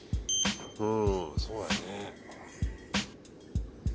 うん、そうだよね。